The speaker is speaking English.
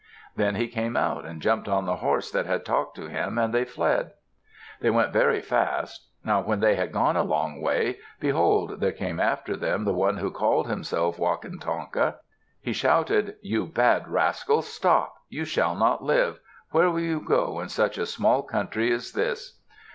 Then he came out and jumped on the horse that had talked to him and they fled. They went very fast. Now when they had gone a long way, behold! there came after them the one who called himself Wakantanka. He shouted, "You bad rascals, stop! You shall not live! Where will you go in such a small country as this?"